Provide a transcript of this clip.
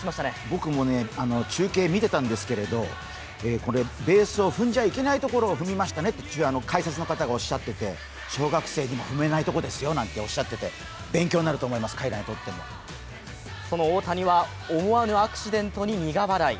僕も中継見ていたんですけどこれ、ベースを踏んじゃいけないところを踏みましたねって解説の方がおっしゃっていて小学生にも踏めないところですよとおっしゃってて、勉強になると思います、彼らにとっても。その大谷は思わぬアクシデントに苦笑い。